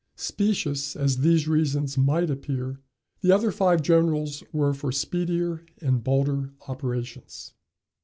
Specious as these reasons might appear, the other five generals were for speedier and bolder operations.